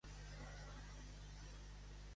El "mai vist" a l'abast de les festes de Catalunya.